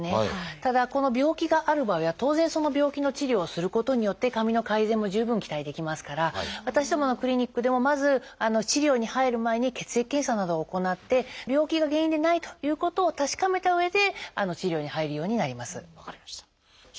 ただこの病気がある場合は当然その病気の治療をすることによって髪の改善も十分期待できますから私どものクリニックでもまず治療に入る前に血液検査などを行って病気が原因でないということを確かめたうえで治療に入るようになります。